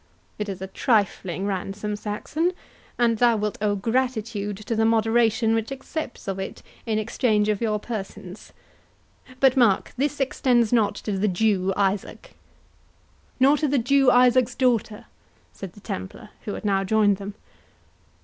It is a trifling ransom, Saxon, and thou wilt owe gratitude to the moderation which accepts of it in exchange of your persons. But mark, this extends not to the Jew Isaac." "Nor to the Jew Isaac's daughter," said the Templar, who had now joined them.